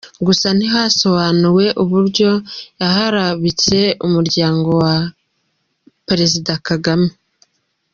Gusa ntihasobanuwe uburyo yaharabitse umuryango wa Perezida Kagame.